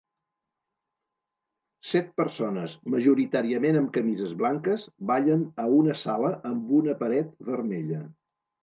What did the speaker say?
Set persones, majoritàriament amb camises blanques, ballen a una sala amb una paret vermella.